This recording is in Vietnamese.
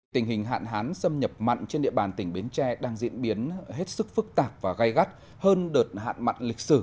tình hình hạn hán xâm nhập mặn trên địa bàn tỉnh bến tre đang diễn biến hết sức phức tạp và gai gắt hơn đợt hạn mặn lịch sử